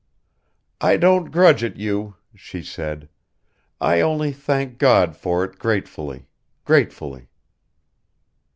"I don't grudge it you," she said, "I only thank God for it gratefully ... gratefully."